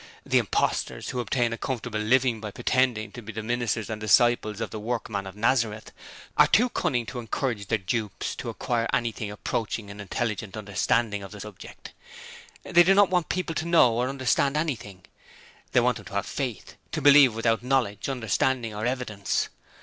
The imposters who obtain a comfortable living by pretending to be the ministers and disciples of the Workman of Nazareth are too cunning to encourage their dupes to acquire anything approaching an intelligent understanding of the subject. They do not want people to know or understand anything: they want them to have Faith to believe without knowledge, understanding, or evidence.